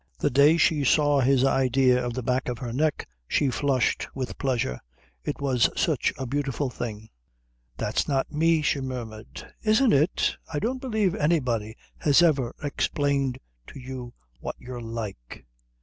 The day she saw his idea of the back of her neck she flushed with pleasure, it was such a beautiful thing. "That's not me," she murmured. "Isn't it? I don't believe anybody has ever explained to you what you're like."